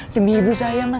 demi ibu saya mas